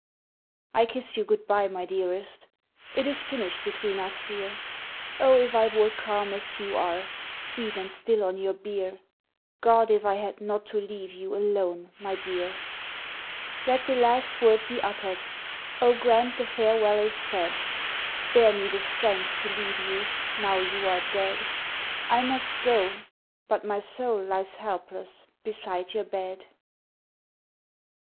I kiss you good bye, my dearest, It is finished between us here. Oh, if I were calm as you are, Sweet and still on your bier! God, if I had not to leave you Alone, my dear! Let the last word be uttered, Oh grant the farewell is said! Spare me the strength to leave you Now you are dead. I must go, but my soul lies helpless Beside your bed.